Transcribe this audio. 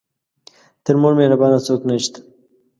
تر مور مهربانه څوک نه شته .